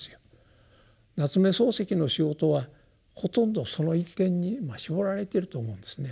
夏目漱石の仕事はほとんどその一点に絞られてると思うんですね。